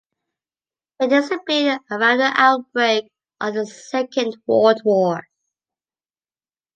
It disappeared around the outbreak of the Second World War.